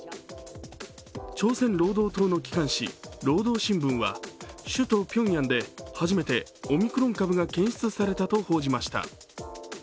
朝鮮労働党の機関誌「労働新聞」は首都ピョンヤンで初めてオミクロン株が検出されたと報じました。